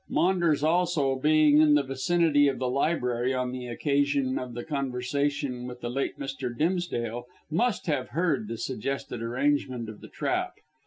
Maunders also being in the vicinity of the library on the occasion of the conversation with the late Mr. Dimsdale, must have heard the suggested arrangement of the trap.